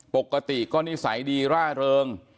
ปกติก็นิสัยดีร่าเริง